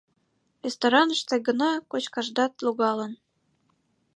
Рестораныште гына кочкашдат логалын.